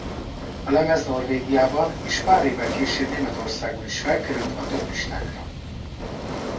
A lemez Norvégiában és pár évvel később Németországban is felkerült a toplistákra.